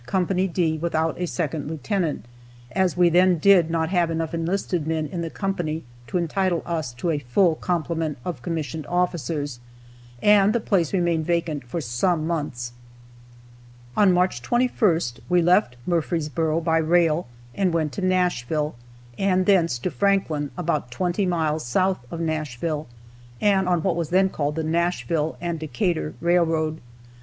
D without a second lieutenant, as we then did not have enough enlisted men in the company to entitle us to a full complement of commissioned officers, and the place remained vacant for some months. On March 21st, we left Murfreesboro by rail and went to Nashville, and thence to Franklin, about twenty miles south of Nashville, and on what was then called the Nashville and Decatur railroad.